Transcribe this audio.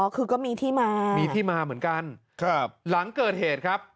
อ๋อคือก็มีที่มา